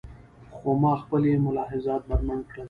خو ما خپلې ملاحظات بربنډ کړل.